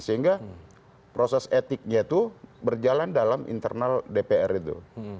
sehingga proses etiknya itu berjalan dalam internal dpr itu